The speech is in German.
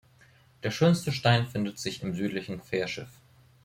Der schönste Stein findet sich im südlichen Querschiff.